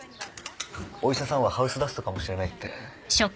お医者さんはハウスダストかもしれないって。